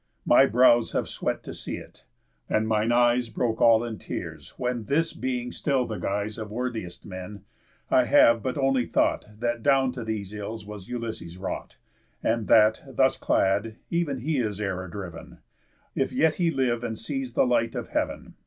My brows have swet to see it, and mine eyes Broke all in tears, when this being still the guise Of worthiest men, I have but only thought, That down to these ills was Ulysses wrought, And that, thus clad, ev'n he is error driv'n, If yet he live and sees the light of heav'n.